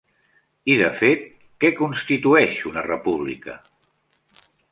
I, de fet, què constitueix una república?